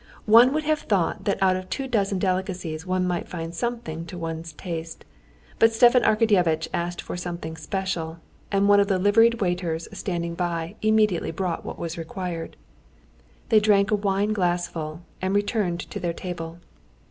One would have thought that out of two dozen delicacies one might find something to one's taste, but Stepan Arkadyevitch asked for something special, and one of the liveried waiters standing by immediately brought what was required. They drank a wine glassful and returned to their table.